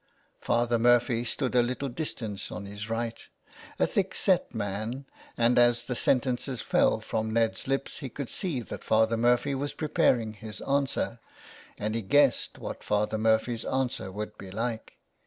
Father Murphy stood a little distance on his right, a thick set man, and as the sentences fell from Ned's lips he could see that Father Murphy was preparing his answer, and he guessed what Father Murphy's answer would be like.